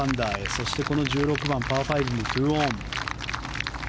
そして、この１６番、パー５も２オン。